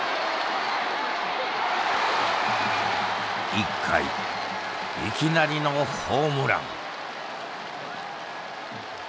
１回いきなりのホームラン。